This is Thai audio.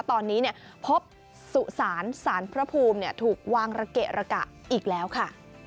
ตอนนี้พบสุสานสารพระภูมิถูกวางระเกะระกะอีกแล้วค่ะ